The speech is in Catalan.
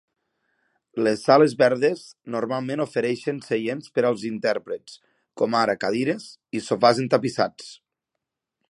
Les sales verdes normalment ofereixen seients per als intèrprets, com ara cadires i sofàs entapissats.